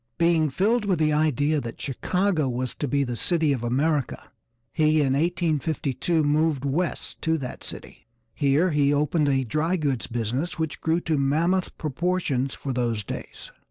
Being filled with the idea that Chicago was to be the city of America, he in 1852 moved 'West' to that city. Here he opened a dry goods business which grew to mammoth proportions for those days.